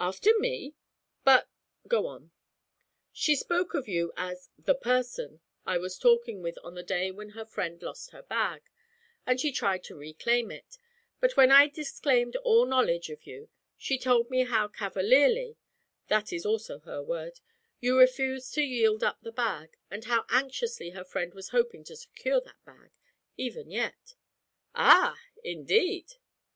'After me? But go on.' 'She spoke of you as "the person" I was talking with on the day when her friend lost her bag and she tried to reclaim it, and when I disclaimed all knowledge of you, she told me how "cavalierly" that is also her word you refused to yield up the bag, and how anxiously her friend was hoping to secure that bag even yet.' 'Ah! Indeed!'